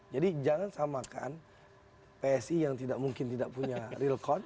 jadi jangan samakan psi yang tidak mungkin tidak punya real card